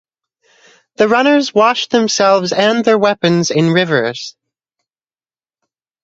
The runners washed themselves and their weapons in rivers.